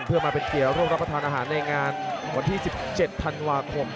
เพื่อมาเป็นเกียร์ร่วมรับประทานอาหารในงานวันที่๑๗ธันวาคม